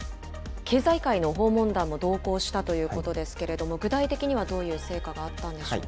経済界の訪問団も同行したということですけれども、具体的にはどういう成果があったんでしょうか？